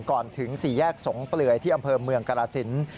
ก่อนถึงสี่แยกสงเปลือยที่อำเภอเมืองกรสิน